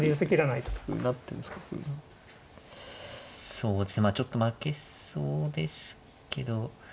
そうですねちょっと負けそうですけど。